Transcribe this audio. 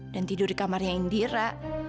dan tidur di kamarnya indira